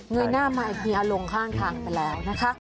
เงยหน้ามาอันนี้ลงข้างทางไปแล้วนะคะ